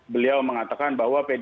beliau mengatakan bahwa